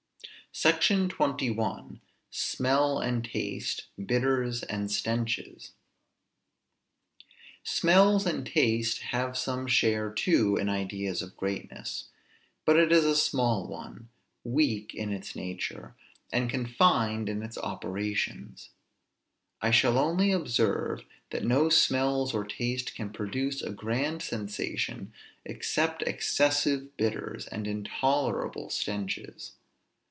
SECTION XXI. SMELL AND TASTE. BITTERS AND STENCHES. Smells and tastes have some share too in ideas of greatness; but it is a small one, weak in its nature, and confined in its operations. I shall only observe that no smells or tastes can produce a grand sensation, except excessive bitters, and intolerable stenches.